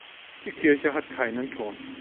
Die Kirche hat keinen Turm.